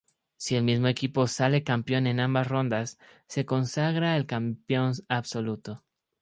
Si el mismo equipo sale campeón en ambas rondas, se consagra el campeón absoluto.